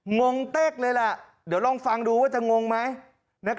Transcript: งงเต๊กเลยแหละเดี๋ยวลองฟังดูว่าจะงงไหม